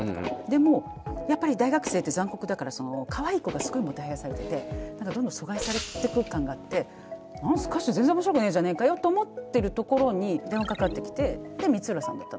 でもやっぱり大学生って残酷だからかわいい子がすごいもてはやされててどんどん疎外されてく感があってスカッシュ全然面白くねえじゃねえかよと思ってるところに電話かかってきてで光浦さんだったの。